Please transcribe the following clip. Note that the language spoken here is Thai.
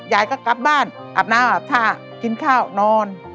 ยายก็กลับบ้านอาบน้ำอาบท่ากินข้าวนอน